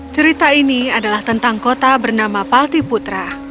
cerita ini adalah tentang kota bernama paltiputra